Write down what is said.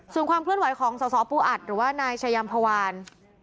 ส่วนความเคลื่อนไหวของสสปูอัดหรือว่านายชายามพวาน